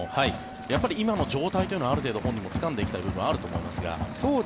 やっぱり今の状態というのは本人もある程度つかんできた部分はあると思いますが。